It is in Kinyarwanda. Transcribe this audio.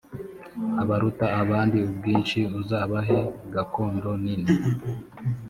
abaruta abandi ubwinshi uzabahe gakondo nini